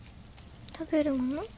食べるもの？